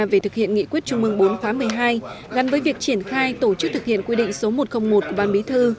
về thực hiện nghị quyết trung mương bốn khóa một mươi hai gắn với việc triển khai tổ chức thực hiện quy định số một trăm linh một của ban bí thư